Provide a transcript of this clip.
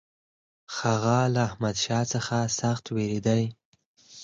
هغه له احمدشاه څخه سخت وېرېدی.